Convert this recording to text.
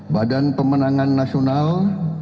badan pemenangan nasional